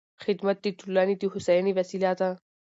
خدمت د ټولنې د هوساینې وسیله ده.